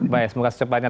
baik semoga secepatnya